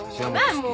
もう！